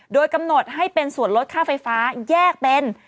โดยกำหนดให้เป็นส่วนลดค่าไฟฟ้าแยกเป็น